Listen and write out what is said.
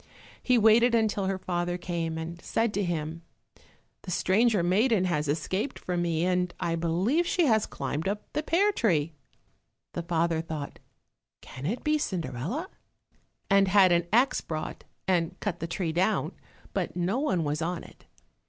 He waited until her father came, and said to him, "The stranger maiden has escaped from me, and I believe she has climbed up the pear tree." The father thought, "Can it be Cinderella?" and had an axe brought and cut the tree down, but no one was on it.